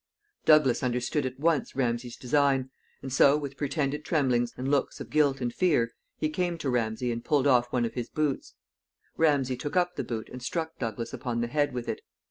Douglas understood at once Ramsay's design, and so, with pretended tremblings, and looks of guilt and fear, he came to Ramsay and pulled off one of his boots. Ramsay took up the boot and struck Douglas upon the head with it.